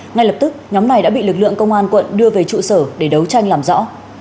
ngay lập tức nhóm này đã bị lực lượng công an quận đưa về trụ sở để đấu tranh làm rõ